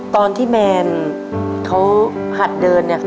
ตอนที่แมนเขาหัดเดินเนี่ย